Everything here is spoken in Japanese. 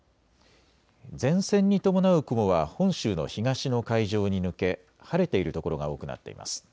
前線に伴う雲は本州の東の海上に抜け、晴れている所が多くなっています。